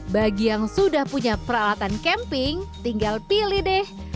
bagi yang sudah punya peralatan camping tinggal pilih deh